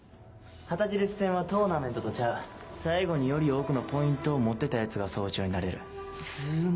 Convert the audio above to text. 旗印戦はトーナメントとちゃう最後により多くのポイントを持ってたつまり！